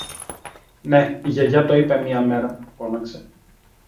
Ναι, η Γιαγιά το είπε μια μέρα, φώναξε